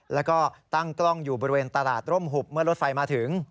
แล้วก็ตั้งกล้องอยู่บริเวณตลาดร่มหุบเมื่อรถไฟมาถึง